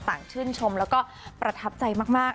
ต่างชื่นชมแล้วก็ประทับใจมาก